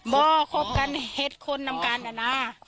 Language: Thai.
บอกคบกันเห็ดคนนำกันนะ